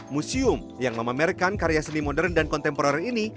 museum yang memamerkan karya seni modern dan kontemporer ini